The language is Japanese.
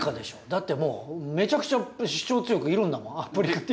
だってもうめちゃくちゃ主張強くいるんだもんプリカティリスがさ。